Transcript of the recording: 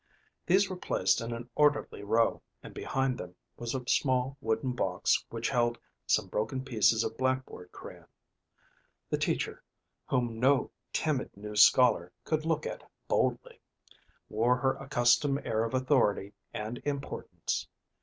These were placed in an orderly row, and behind them was a small wooden box which held some broken pieces of blackboard crayon. The teacher, whom no timid new scholar could look at boldly, wore her accustomed air of authority and importance.